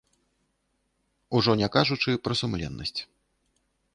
Ужо не кажучы пра сумленнасць.